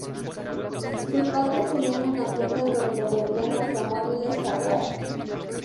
Sus padres tenían una tienda en donde vendían automóviles Jaguar.